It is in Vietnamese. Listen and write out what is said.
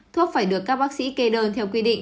thuốc phải được các bác sĩ kê đơn theo quy định